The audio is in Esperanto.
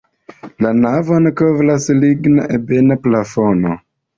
La navon kovras ligna ebena plafono.